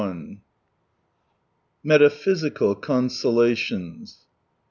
41 Metaphysical consolations.